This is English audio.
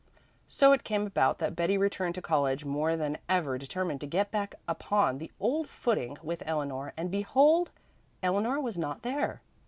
So it came about that Betty returned to college more than ever determined to get back upon the old footing with Eleanor, and behold, Eleanor was not there!